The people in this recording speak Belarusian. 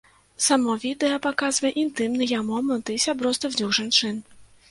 Само відэа паказвае інтымныя моманты сяброўства дзвюх жанчын.